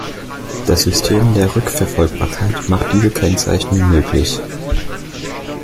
Das System der Rückverfolgbarkeit macht diese Kennzeichnung möglich.